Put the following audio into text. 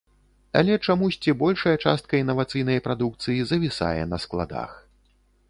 Але чамусьці большая частка інавацыйнай прадукцыі завісае на складах.